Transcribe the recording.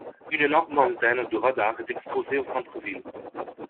Une énorme antenne de radar est exposée au centre-ville.